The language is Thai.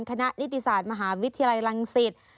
นิติศาสตร์มหาวิทยาลัยลังศิษย์